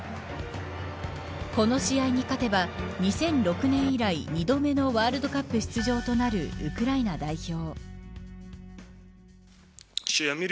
この試合に勝てば２００６年以来２度目のＷ杯出場となるウクライナ代表。